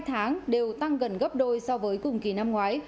hai tháng đều tăng gần gấp đôi so với cùng kỳ năm ngoái